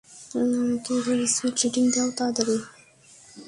আমাকে air speed reading দাও তাড়াতাড়ি!